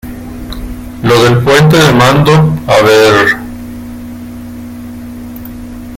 lo del puente de mando. a ver ...